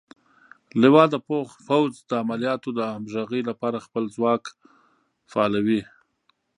لوا د پوځ د عملیاتو د همغږۍ لپاره خپل ځواک فعالوي.